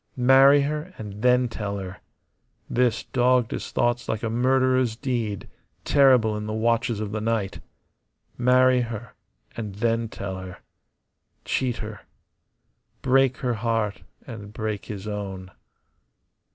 Marry her, and then tell her. This dogged his thoughts like a murderer's deed, terrible in the watches of the night. Marry her, and then tell her. Cheat her. Break her heart and break his own.